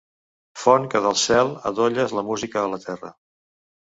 Font que del cel adolles la música a la terra.